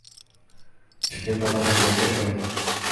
সে যথাসম্ভব চেষ্টারত।